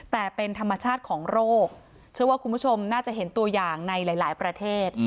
แต่เป็นธรรมชาติของโรคเชื่อว่าคุณผู้ชมน่าจะเห็นตัวอย่างในหลายประเทศ